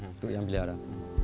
untuk yang beli ada